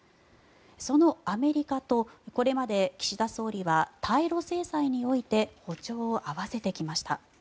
そのアメリカとこれまで岸田総理は対ロ制裁において歩調を合わせてきました。